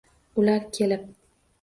Ular kelib